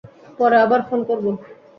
পরে আবার ফোন করবো।